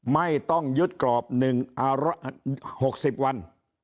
ไม่ต้องยุทธ์กรอบ๑อร๖๐วัน